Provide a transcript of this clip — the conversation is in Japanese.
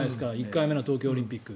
１回目の東京オリンピック。